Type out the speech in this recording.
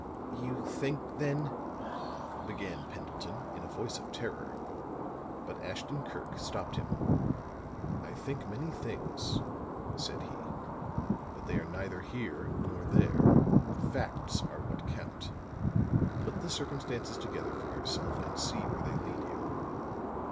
"You think then " began Pendleton in a voice of terror. But Ashton Kirk stopped him. "I think many things," said he. "But they are neither here nor there. Facts are what count. Put the circumstances together for yourself and see where they lead you.